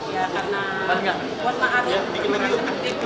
ya karena buat maaf saya seperti itu